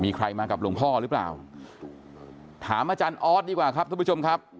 มีใครมากับหลวงพ่อหรือเปล่าถามอาจารย์ออสดีกว่าครับทุกผู้ชมครับ